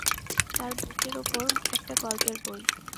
তার বুকের ওপর একটা গল্পের বই।